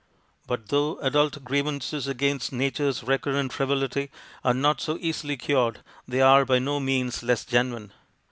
But though adult grievances against Nature's recurrent frivolity are not so easily cured, they are by no means less genuine.